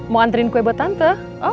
mau antriin kue buat tante